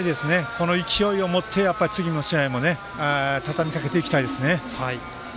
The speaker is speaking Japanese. この勢いを持って次の試合もたたみかけていきたいですね。